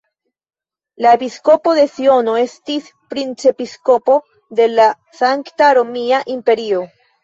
La episkopo de Siono estis princepiskopo de la Sankta Romia Imperio.